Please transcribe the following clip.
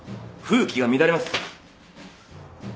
風紀が乱れます。